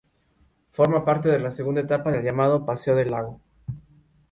Forma parte de la segunda etapa del llamado "Paseo del Lago".